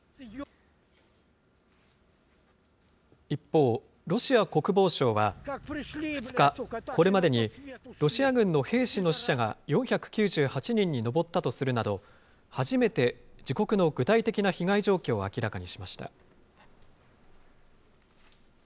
一方、ロシア国防省は、２日、これまでにロシア軍の兵士の死者が４９８人に上ったとするなど、初めて自国の具体的な被害状況を明らかにしました。